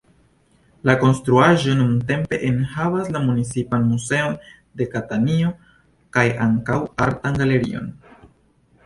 La konstruaĵo nuntempe enhavas la municipan muzeon de Katanio, kaj ankaŭ artan galerion.